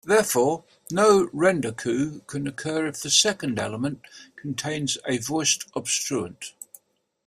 Therefore, no "rendaku" can occur if the second element contains a voiced obstruent.